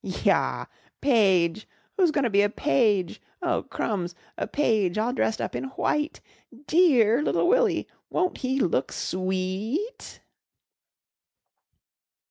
"Yah! Page! Who's goin' to be a page? Oh, crumbs. A page all dressed up in white. Dear little Willie. Won't he look swe e e et?"